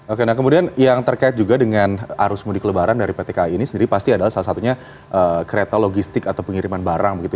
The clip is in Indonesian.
oke nah kemudian yang terkait juga dengan arus mudik lebaran dari pt kai ini sendiri pasti adalah salah satunya kereta logistik atau pengiriman barang begitu